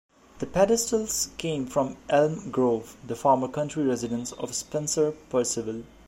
The pedestals came from Elm Grove, the former country residence of Spencer Perceval.